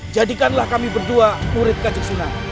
jadikanlah kami berdua murid gajek sunan